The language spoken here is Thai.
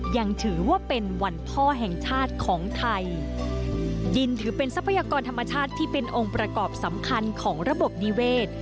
ยังถือว่าเป็นวันพ่อแห่งชาติของไทยดินถือเป็นทรัพยากรธรรมชาติที่เป็นองค์ประกอบสำคัญของระบบนิเวศ